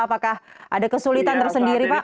apakah ada kesulitan tersendiri pak